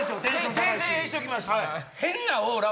訂正しときます。